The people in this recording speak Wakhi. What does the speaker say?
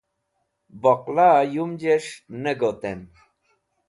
boqla yumj'esh ne got'en